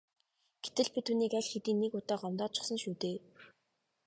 Гэтэл би түүнийг аль хэдийн нэг удаа гомдоочихсон шүү дээ.